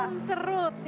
oke timun serut ya